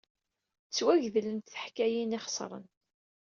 Ttwagedlent teḥkayin ixeṣren!